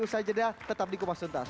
usaha jeda tetap di kumpas tuntas